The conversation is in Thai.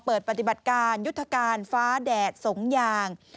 เปิดปฏิบัติการยุทธการฟ้าแดดสงยาง